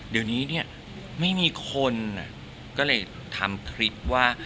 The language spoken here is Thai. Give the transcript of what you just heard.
เดี๋ยวนี้เนี่ยไม่มีคนก็เลยทำคลิปว่า